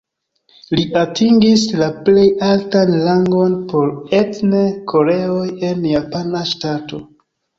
Li atingis la plej altan rangon por etne koreoj en japana ŝtato.